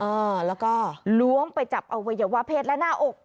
อ่าแล้วก็ล้วมไปจับเอาไว้เดี๋ยววาเพศแล้วหน้าอบ